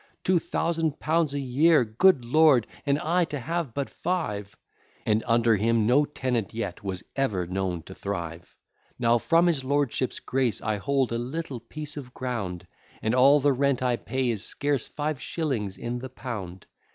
Two thousand pounds a year! good lord! And I to have but five!" And under him no tenant yet was ever known to thrive: Now from his lordship's grace I hold a little piece of ground, And all the rent I pay is scarce five shillings in the pound.